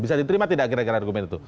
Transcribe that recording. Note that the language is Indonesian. bisa diterima tidak kira kira argumen itu